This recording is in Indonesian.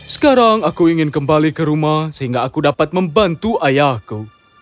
sekarang aku ingin kembali ke rumah sehingga aku dapat membantu ayahku